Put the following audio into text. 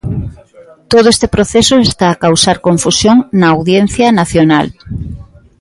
Todo este proceso está a causar confusión na Audiencia Nacional.